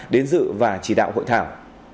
đến dự và chỉ đạo hội thảo